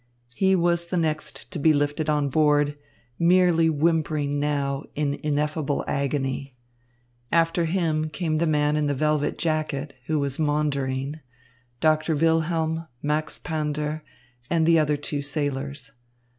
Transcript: He was the next to be lifted on board, merely whimpering now in ineffable agony. After him came the man in the velvet jacket, who was maundering, Doctor Wilhelm, Max Pander, and the other two sailors.